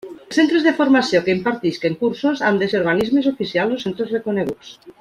Els centres de formació que impartisquen cursos han de ser organismes oficials o centres reconeguts.